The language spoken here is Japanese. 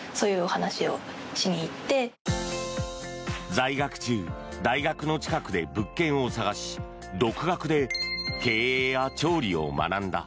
在学中大学の近くで物件を探し独学で経営や調理を学んだ。